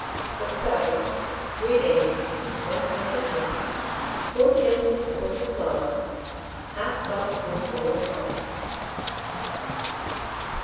For the batter, 3 eggs, 1 pint of milk, 4 tablespoonfuls of flour, 1/2 saltspoonful of salt.